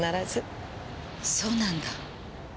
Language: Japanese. そうなんだ。